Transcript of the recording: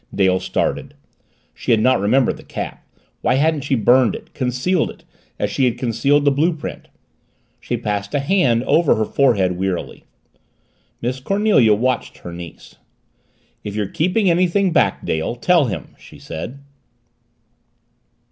Dale started. She had not remembered the cap why hadn't she burned it, concealed it as she had concealed the blue print? She passed a hand over her forehead wearily. Miss Cornelia watched her niece. "It you're keeping anything back, Dale tell him," she said.